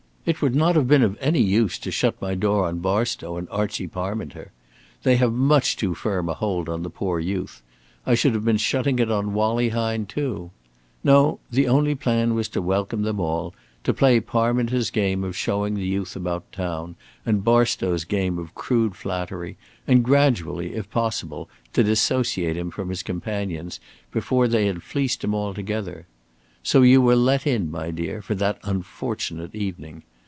It would not have been of any use to shut my door on Barstow and Archie Parminter. They have much too firm a hold on the poor youth. I should have been shutting it on Wallie Hine, too. No, the only plan was to welcome them all, to play Parminter's game of showing the youth about town, and Barstow's game of crude flattery, and gradually, if possible, to dissociate him from his companions, before they had fleeced him altogether. So you were let in, my dear, for that unfortunate evening.